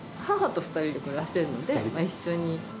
母と２人で暮らしているので、一緒に。